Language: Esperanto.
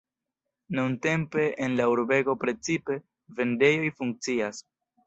Nuntempe en la urbego precipe vendejoj funkcias.